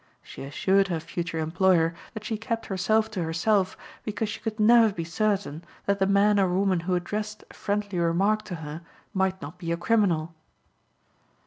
She assured her future employer that she kept herself to herself because she could never be certain that the man or woman who addressed a friendly remark to her might not be a criminal.